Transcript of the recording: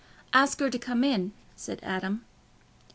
"Ask her to come in," said Adam.